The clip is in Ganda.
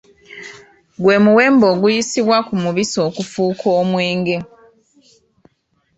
Gwe muwemba ogusiyibwa ku mubisi okufuuka omwenge.